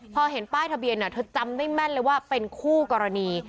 พอเห็นป้ายทะเบียนเธอจำได้แม่นเลยว่าเป็นคู่กรณี